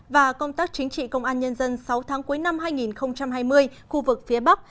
và công tác chính trị công an nhân dân sáu tháng cuối năm hai nghìn hai mươi khu vực phía bắc